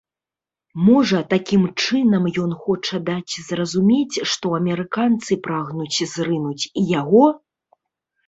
Можа, такім чынам ён хоча даць зразумець, што амерыканцы прагнуць зрынуць і яго?